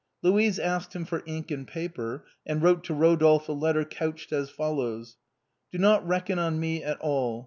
Louise asked him for ink and paper, and wrote to Eo dolphe a letter couched as follows :" Do not rekkon on me at all.